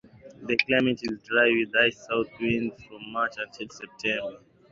The climate is dry, with high south winds from March until September.